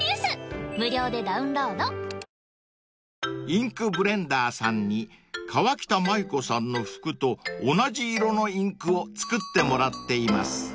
［インクブレンダーさんに河北麻友子さんの服と同じ色のインクを作ってもらっています］